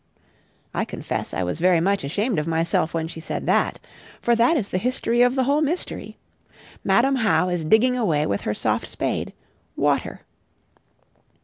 I confess I was very much ashamed of myself when she said that. For that is the history of the whole mystery. Madam How is digging away with her soft spade, water.